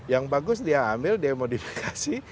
yang bagus dia ambil dia modifikasi